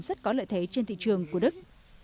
rất có lợi thế trên thị trường của đức